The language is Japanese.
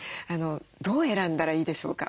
どう選んだらいいでしょうか？